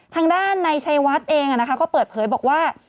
ทางด้านในชัยวัดเองก็เปิดเผยบอกว่า